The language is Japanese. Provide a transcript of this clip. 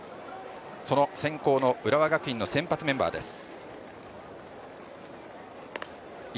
その先攻の浦和学院の先発メンバーです。